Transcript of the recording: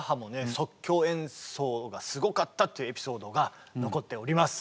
即興演奏がすごかったってエピソードが残っております。